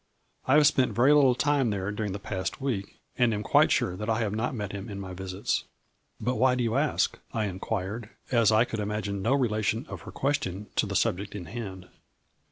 I have spent very little A FLURRY IN DIAMONDS. 157 time there during the past week and am quite sure that I have not met him in my visits. But, why do you ask ?" I inquired, as I could imagine no relation of her question to the sub ject in hand.